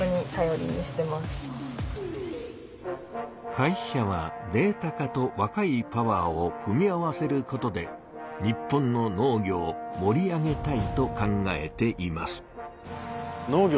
会社はデータ化とわかいパワーを組み合わせることで日本の農業をもり上げたいと考えています。